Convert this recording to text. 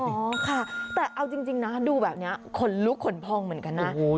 แหละเอาจริงนะดูแบบนี้ขนลุ๊กขนพ่องเหมือนกันนะ